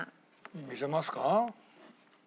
見せますか？